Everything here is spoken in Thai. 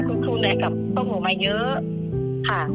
ครูเนื้อกับต้นหัวมาเยอะค่ะ